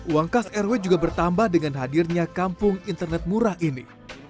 uang kas rw juga bertambah dengan hadirnya kampung internet murah ini